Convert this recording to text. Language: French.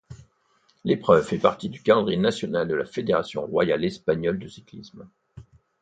L'épreuve fait partie du calendrier national de la Fédération royale espagnole de cyclisme.